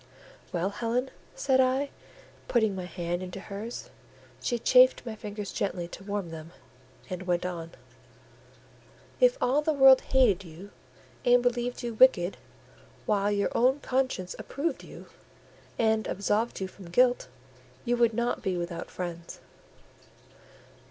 "Well, Helen?" said I, putting my hand into hers: she chafed my fingers gently to warm them, and went on— "If all the world hated you, and believed you wicked, while your own conscience approved you, and absolved you from guilt, you would not be without friends."